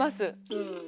うん。